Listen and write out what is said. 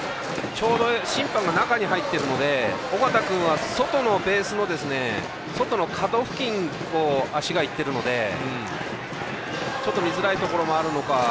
審判が中に入っているので緒方君は外のベースの外の角付近を足がいってるので見づらいところもあるのか